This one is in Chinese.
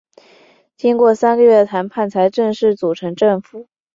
经过三个月谈判才正式组成政府。